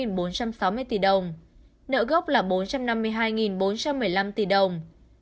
nợ gốc là bốn trăm năm mươi hai bốn trăm một mươi năm tỷ đồng và lãi là một trăm năm mươi bốn bốn mươi bốn tỷ đồng